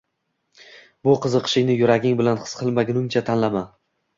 Bu qiziqishingni yuraging bilan his qilmaguningcha tanlama.